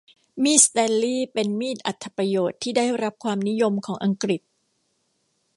มีดสแตนลีย์เป็นมีดอรรถประโยชน์ที่ได้รับความนิยมของอังกฤษ